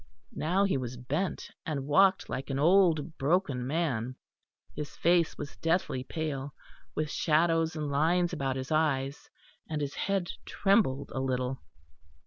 Now he was bent, and walked like an old broken man; his face was deathly pale, with shadows and lines about his eyes, and his head trembled a little.